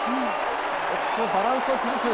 おっと、バランスを崩す。